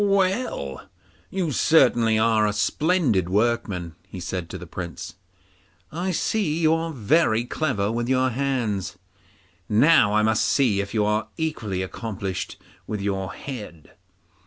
'Well, you certainly are a splendid workman,' he said to the Prince. 'I see you are very clever with your hands, now I must see if you are equally accomplished with your head.